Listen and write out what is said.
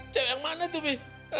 cewek yang mana tuh be